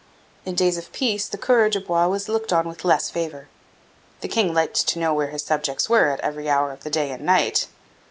In days of peace the coureur de bois was looked on with less favour. The king liked to know where his subjects were at every hour of the day and night.